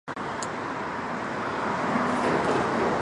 球队的主体育场为。